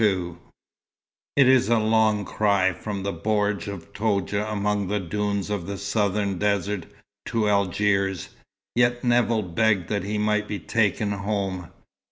LII It is a long cry from the bordj of Toudja among the dunes of the southern desert, to Algiers, yet Nevill begged that he might be taken home.